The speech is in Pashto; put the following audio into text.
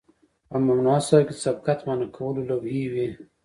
په ممنوعه ساحو کې د سبقت منع کولو لوحې وي